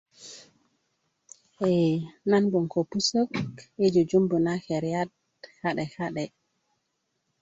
ee nan bgoŋ ko pusök i jujimbu na keriyat ka'de ka'de